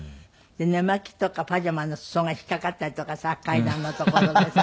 寝間着とかパジャマの裾が引っかかったりとかさ階段の所でさ。